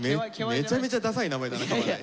めちゃめちゃダサい名前だな「かわらい」。